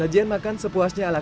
sajian makan sepuasnya alamnya